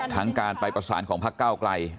ทั้งการไปประสานของพักเก้าไกล